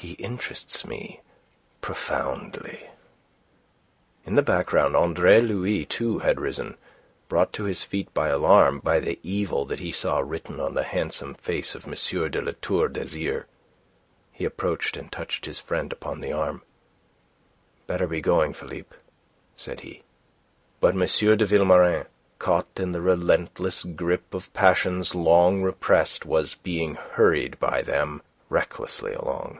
He interests me profoundly." In the background Andre Louis, too, had risen, brought to his feet by alarm, by the evil that he saw written on the handsome face of M. de La Tour d'Azyr. He approached, and touched his friend upon the arm. "Better be going, Philippe," said he. But M. de Vilmorin, caught in the relentless grip of passions long repressed, was being hurried by them recklessly along.